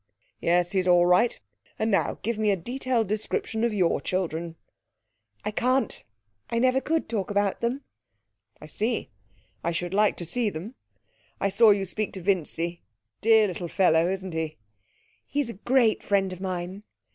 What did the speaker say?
'Yes; he's all right. And now give me a detailed description of your children.' 'I can't. I never could talk about them.' 'I see.... I should like to see them.... I saw you speak to Vincy. Dear little fellow, isn't he?' 'He's a great friend of mine.'